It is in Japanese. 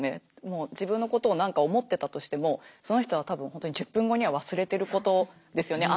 もう自分のことを何か思ってたとしてもその人は多分本当に１０分後には忘れてることですよね。